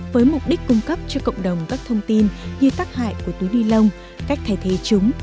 với mục đích cung cấp cho cộng đồng các thông tin như tác hại của túi ni lông cách thay thế chúng